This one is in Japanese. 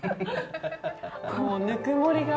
こうぬくもりが。